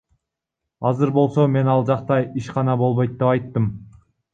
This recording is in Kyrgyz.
Азыр болсо мен ал жакта ишкана болбойт деп айттым.